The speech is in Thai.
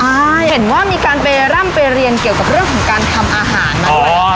ใช่เห็นว่ามีการไปร่ำไปเรียนเกี่ยวกับเรื่องของการทำอาหารมาด้วย